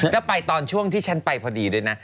แล้วไปตอนช่วงที่ฉันไปพอดีด้วยนะ